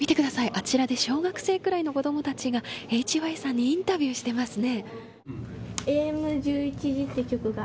あちらで小学生くらいの子どもたちがＨＹさんにインタビューしてますね。